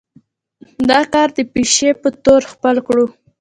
دا کار د پيشې پۀ طور خپل کړو